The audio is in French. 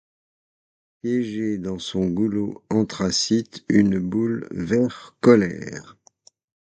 piéger dans son goulot anthracite une boule vertcolère.